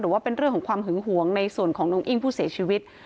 ว่าเป็นเรื่องของความหึงหวงในส่วนของน้องอิ้งผู้เสียชีวิต